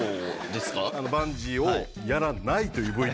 バンジーをやらないというＶＴＲ。